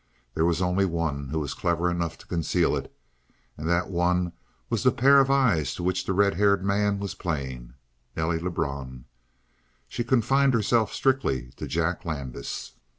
There was only one who was clever enough to conceal it, and that one was the pair of eyes to which the red haired man was playing Nelly Lebrun. She confined herself strictly to Jack Landis.